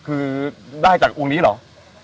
คือได้จากอุณหภ์นี้หรือ